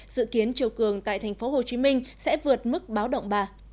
dự kiến triều cường tại thành phố hồ chí minh sẽ vượt mức báo động ba